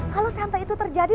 kalo sampai itu terjadi